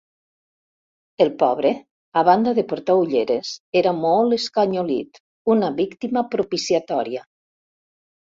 El pobre, a banda de portar ulleres, era molt escanyolit, una víctima propiciatòria.